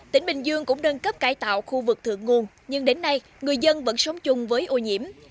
tỉnh bình dương cũng nâng cấp cải tạo khu vực thượng nguồn nhưng đến nay người dân vẫn sống chung với ô nhiễm